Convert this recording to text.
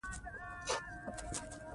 ښتې د افغانانو د ژوند طرز اغېزمنوي.